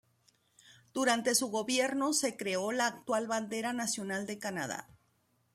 Durante su gobierno se creó la actual bandera nacional de Canadá.